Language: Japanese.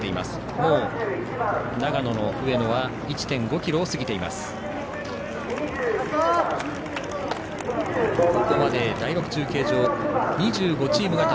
もう長野の上野は１．５ｋｍを過ぎました。